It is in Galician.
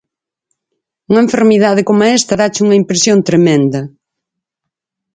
Unha enfermidade coma esta dáche unha impresión tremendo.